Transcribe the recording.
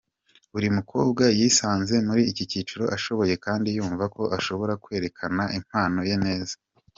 Buri mukobwa yisanze mu cyiciro ashoboye kandi yumva ko ashobora kwerekana impano ye neza.